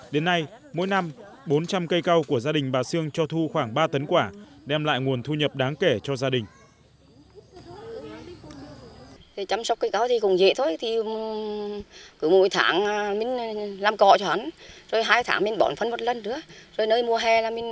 đến nay mỗi năm bốn trăm linh cây cao của gia đình bà sương cho thu khoảng ba tấn quả đem lại nguồn thu nhập đáng kể cho gia đình